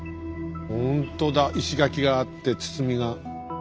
ほんとだ石垣があって堤が。